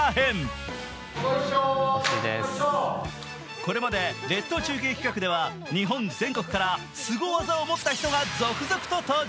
これまで列島中継企画では日本全国からスゴ技を持った人が続々と登場。